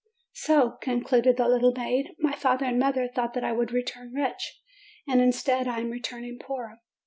"So," concluded the little maid, "my father and mother thought that I would return rich, and instead I am returning poor.